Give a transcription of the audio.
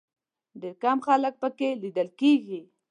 ډېر کم خلک په کې لیدل کېږي.